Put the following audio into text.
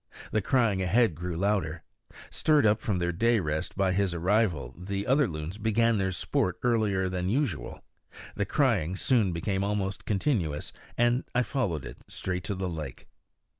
The crying ahead grew louder. Stirred up from their day rest by his arrival, the other loons began their sport earlier than usual. The crying soon became almost continuous, and I followed it straight to the lake.